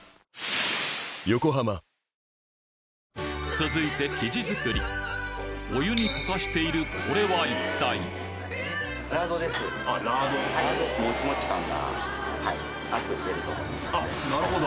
続いてお湯に溶かしているこれは一体あなるほど。